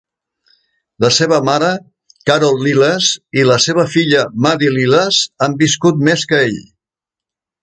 La seva mare, Carol Liles, i la seva filla, Maddie Liles, han viscut més que ell.